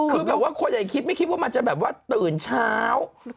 คือแบบว่าคนอย่าคิดไม่คิดว่ามันจะแบบว่าตื่นเช้า